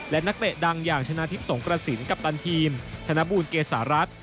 และนักเตะดังอย่างชนะทิพย์สงกระสินกัปตันทีมธนบูลเกษารัฐ